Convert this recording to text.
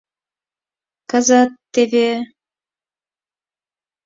Кызыт теве...